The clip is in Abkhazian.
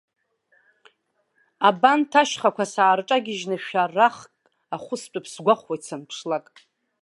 Абанҭ ашьхақәа саарҿагьежьны шәарахк ахәыстәып сгәахәуеит санԥшлак.